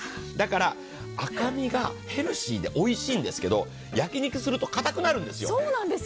だから、赤身がヘルシーでおいしいんですけど焼き肉するとかたくなるんですよ。